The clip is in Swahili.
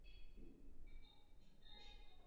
mbele ya jumuiya ya kimataifa duniani kote